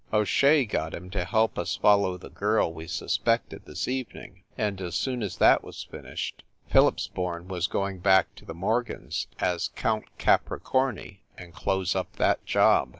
O Shea got him to help us follow the girl we sus pected this evening, and as soon as that was finished, Phillipsborn was going back to the Morgans as Count Capricorni and close up that job."